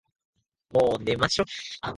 もう寝ましょ。